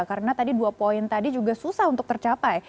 karena tadi dua poin tadi juga susah untuk tercapai